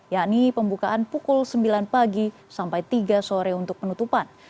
yakni pembukaan pukul sembilan pagi sampai tiga sore untuk penutupan